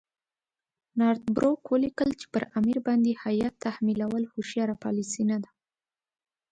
نارت بروک ولیکل چې پر امیر باندې هیات تحمیلول هوښیاره پالیسي نه ده.